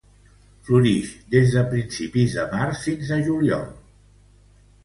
Florix des de principis de març fins a juliol.